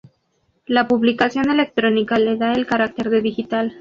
La publicación electrónica le da el carácter de "digital".